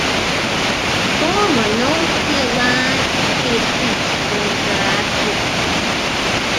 The former Northfield line headed east from Dry Creek.